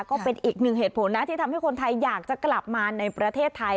ก็เป็นอีกหนึ่งเหตุผลนะที่ทำให้คนไทยอยากจะกลับมาในประเทศไทย